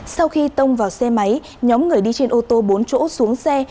sau khi tông vào xe máy nhóm người đi trên ô tô bốn chỗ xuống xe